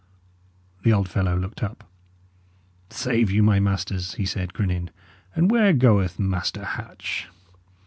The old fellow looked up. "Save you, my masters!" he said, grinning. "And where goeth Master Hatch?"